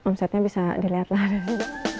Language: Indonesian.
omsetnya bisa dilihat lah dari sini